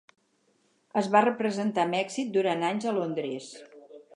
Es va representar amb èxit durant anys a Londres.